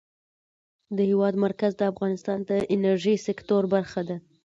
د هېواد مرکز د افغانستان د انرژۍ سکتور برخه ده.